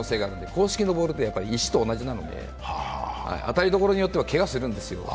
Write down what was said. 硬式のボールって石と同じなので当たりどころが悪いとけがするんですよ。